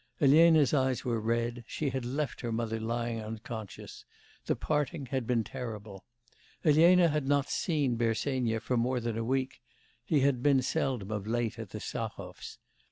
Elena's eyes were red; she had left her mother lying unconscious; the parting had been terrible. Elena had not seen Bersenyev for more than a week: he had been seldom of late at the Stahovs'.